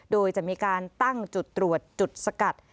โดยจะมีการตั้งจุดตรวจจุดสกัด